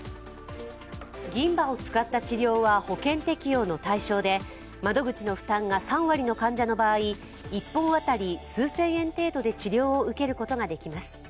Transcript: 銀歯を使った治療は保険適用の対象で窓口の負担が３割の患者の場合、１本当たり数千円程度で治療を受けることができます。